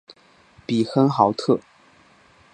比亨豪特。